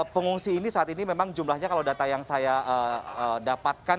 pengungsi ini saat ini memang jumlahnya kalau data yang saya dapatkan